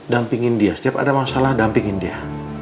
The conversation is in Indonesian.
dampingin dia setiap ada masalah dampingin dia